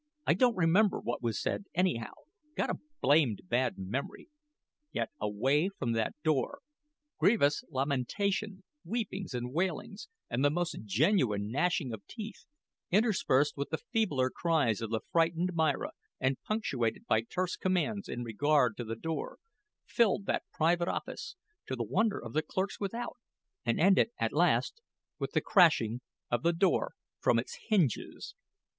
"I don't remember what was said, anyhow; got a blamed bad memory. Get away from that door." Grievous lamentation weepings and wailings, and the most genuine gnashing of teeth interspersed with the feebler cries of the frightened Myra and punctuated by terse commands in regard to the door, filled that private office, to the wonder of the clerks without, and ended, at last, with the crashing of the door from its hinges.